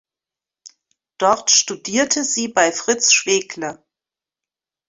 Dort studierte sie bei Fritz Schwegler.